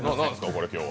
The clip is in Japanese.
これ、今日は。